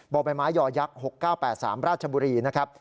บ่อใบไม้ยอยักษ์๖๙๘๓ราชบุรีนะครับ